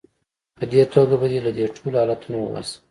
په دې توګه به دې له دې ټولو حالتونو وباسم.